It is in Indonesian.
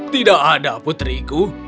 tidak ada putriku